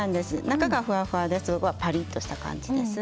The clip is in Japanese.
中がふわふわで外はパリッとした感じです。